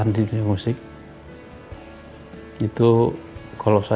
aku merasa terluka